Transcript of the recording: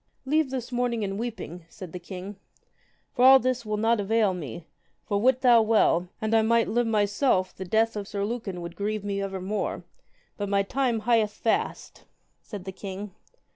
Leave this mourning and weeping, said the king, for all this will not avail me: for, wit thou well, and I might live myself the death of Sir Lucan would grieve me evermore; but my time hieth fast, said the king.